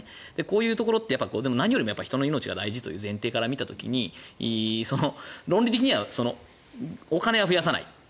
こういうところって何よりも人の命が大事という大前提で論理的にはお金は増やさない